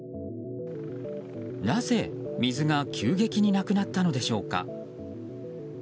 なぜ水が急激になくなったのでしょうか。